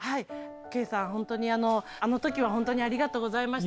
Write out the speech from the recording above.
けいさん、本当に、あのときは本当にありがとうございました。